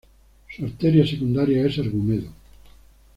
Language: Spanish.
Su arteria secundaria es Argumedo.